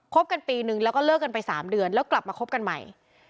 กันปีนึงแล้วก็เลิกกันไป๓เดือนแล้วกลับมาคบกันใหม่